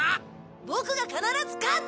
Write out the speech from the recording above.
ボクが必ず勝つ！